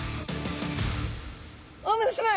大村さま！